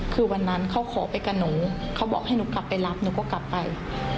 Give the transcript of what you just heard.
คือวันนั้นเขาขอไปกับหนูเขาบอกให้หนูกลับไปรับหนูก็กลับไป